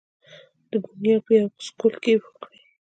د بونېر پۀ يو سکول کښې وکړې